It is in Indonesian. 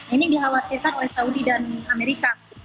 ini dikhawatirkan oleh saudi dan amerika